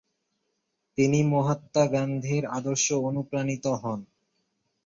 তিনি মহাত্মা গান্ধীর আদর্শে অনুপ্রাণিত হন।